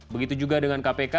begitu juga dengan kpk